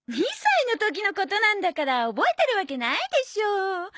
２歳の時のことなんだから覚えてるわけないでしょう。